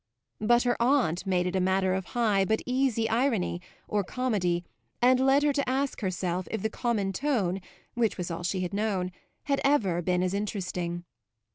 But her aunt made it a matter of high but easy irony, or comedy, and led her to ask herself if the common tone, which was all she had known, had ever been as interesting.